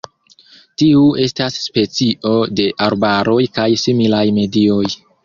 Tiu estas specio de arbaroj kaj similaj medioj.